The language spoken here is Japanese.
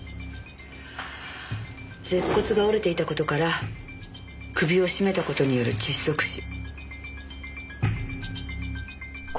舌骨が折れていた事から首を絞めた事による窒息死。